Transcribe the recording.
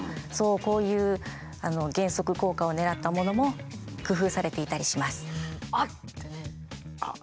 こういう減速効果を狙ったものも工夫されていたりします。